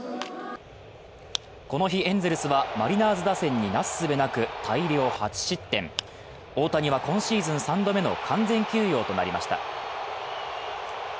この日エンゼルスはマリナーズ打線になすすべなく、大谷は今シーズン３度目の完全休養となりました。